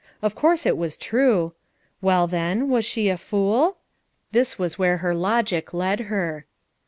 Of course it was true. Well, then— was she a fool? This was where her logic led her.